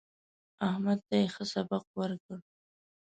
احمد ته يې ښه سبق ورکړ.